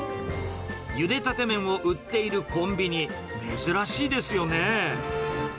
ゆでたて麺を売っているコンビニ、珍しいですよね。